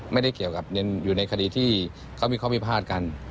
ไม่ได้เกี่ยวกับอยู่ในคดีที่เขามีข้อพิพาทกัน